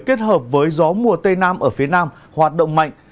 kết hợp với gió mùa tây nam ở phía nam hoạt động mạnh